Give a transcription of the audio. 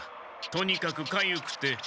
とにかくかゆくて。